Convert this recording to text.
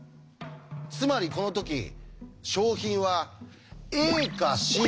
つまりこのとき賞品はＡかＣ